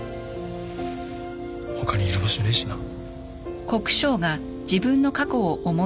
他にいる場所ねえしな。